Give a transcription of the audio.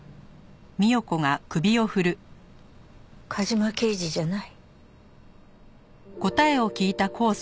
梶間刑事じゃない。